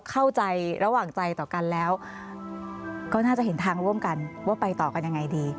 เข้าใจระหว่างใจต่อกันแล้วก็น่าจะเห็นทางร่วมกันว่าไปต่อกันยังไงดี